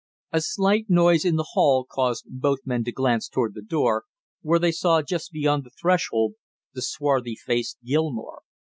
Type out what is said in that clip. A slight noise in the hall caused both men to glance toward the door, where they saw just beyond the threshold the swarthy faced Gilmore.